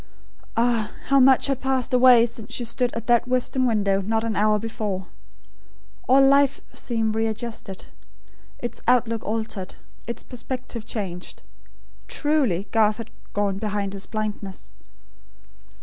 Ah, how much had passed away since she stood at that western window, not an hour before. All life seemed readjusted; its outlook altered; its perspective changed. Truly Garth had "gone behind his blindness."